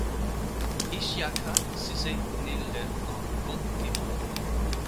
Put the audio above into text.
Issiaka Cissé naît le en Côte d'Ivoire.